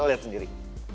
lo lihat sendiri